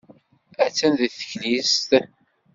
Attan deg teklizt.